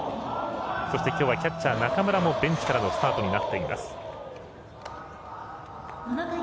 そしてきょうはキャッチャー中村もベンチからのスタートとなっています。